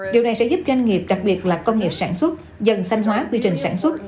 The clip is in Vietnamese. điều này sẽ giúp doanh nghiệp đặc biệt là công nghiệp sản xuất dần xanh hóa quy trình sản xuất